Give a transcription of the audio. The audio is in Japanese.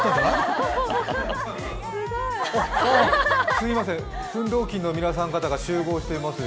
すみません、フンドーキンの皆さん方が集合しています。